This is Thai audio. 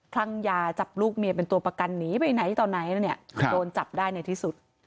คลั่งยาจับลูกเมียเป็นตัวประกันหนีไปไหนต่อไหนแล้วเนี่ยโดนจับได้ในที่สุด